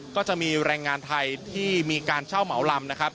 ก็จะมีแรงงานไทยที่มีการเช่าเหมาลำนะครับ